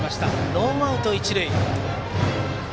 ノーアウト、一塁。